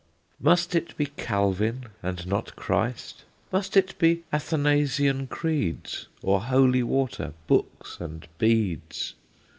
"Must it be Calvin, and not Christ? Must it be Athanasian creeds, Or holy water, books, and beads?